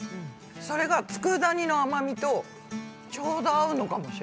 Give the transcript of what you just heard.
それが佃煮の甘みとちょうど合うのかもしれない。